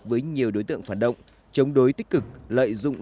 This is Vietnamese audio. với nhiều đối tượng phản động chống đối tích cực lợi dụng